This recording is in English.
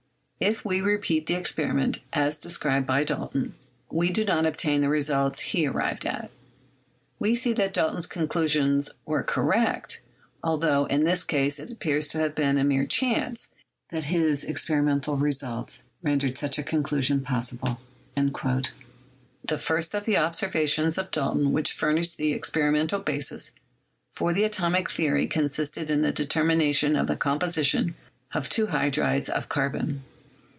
If we repeat the experiment, as described by Dalton, we do not obtain the results he arrived at. We see that Dalton's conclusions were correct, altho in this case it appears to have been a mere chance that his experimental results rendered such a conclusion possible." The first of the observations of Dalton which furnished the experimental basis for the atomic theory consisted in the determination of the composition of two hydrides of carbon.